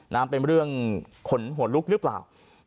เป็นเรื่องขนหัวลุกหรือเปล่า